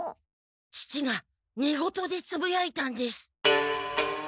父がねごとでつぶやいたんです。